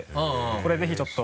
これぜひちょっと。